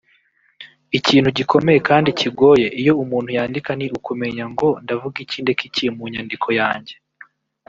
Ikintu gikomeye kandi kigoye iyo umuntu yandika ni ukumenya ngo ’ndavuga iki ndeke iki’ mu nyandiko yanjye